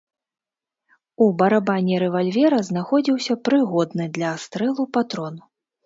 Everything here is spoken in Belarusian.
У барабане рэвальвера знаходзіўся прыгодны для стрэлу патрон.